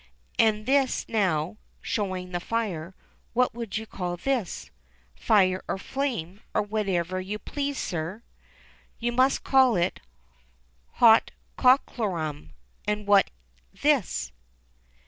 And this now," showing the fire, *'what would you call this ?"" Fire or flame, or whatever you please, sir." "You must call it 'hot cockalorum,' and what this.?"